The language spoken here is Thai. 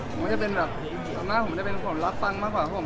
ต่อมาผมจะเป็นรับฟังมากกว่าเพราะผมจะเป็นคนไม่ค่อยพูดอะไรมาก